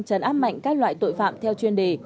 trấn áp mạnh các loại tội phạm theo chuyên đề